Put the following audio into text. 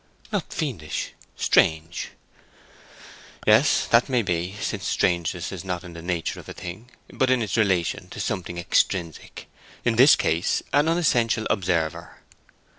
"Not fiendish—strange." "Yes, that may be, since strangeness is not in the nature of a thing, but in its relation to something extrinsic—in this case an unessential observer."